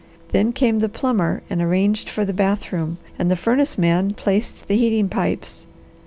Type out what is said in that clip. Then came the plumber and arranged for the bathroom, and the furnace man placed the heating pipes.